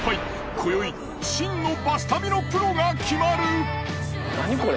こよい真のバス旅のプロが決まる。